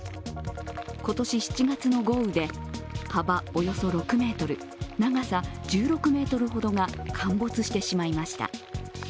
今年７月の豪雨で幅およそ６ｍ、長さ１６ｍほどが陥没してしまいました。